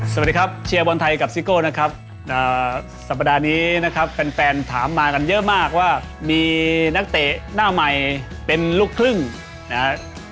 สวัสดีครับเชียร์บอลไทยกับซิโก้นะครับสัปดาห์นี้นะครับแฟนถามมากันเยอะมากว่ามีนักเตะหน้าใหม่เป็นลูกครึ่งนะฮะ